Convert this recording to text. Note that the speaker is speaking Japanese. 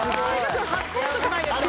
君初ポイントじゃないですか？